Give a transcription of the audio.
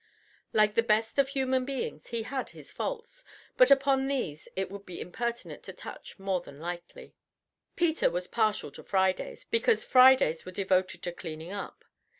Like the best of human beings, he had his faults, but upon these it would be impertinent to touch more than lightly. Peter was partial to Fridays, because Fridays were devoted to cleaning up.